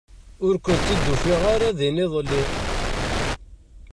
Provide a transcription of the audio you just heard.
Ur ken-id-ufiɣ ara din iḍelli.